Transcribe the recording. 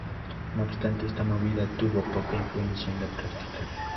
No obstante, esta movida tuvo poca influencia en la práctica.